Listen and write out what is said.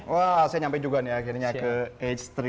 wah saya nyampe juga nih akhirnya ke h tiga